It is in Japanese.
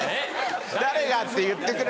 誰がって言ってくれ。